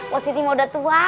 positif mau datua